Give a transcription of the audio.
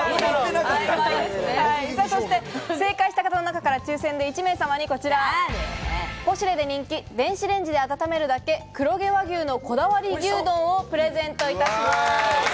正解している人の中から抽選で１名様にこちら、ポシュレで人気、電子レンジで温めるだけ、黒毛和牛のこだわり牛丼をプレゼントいたします。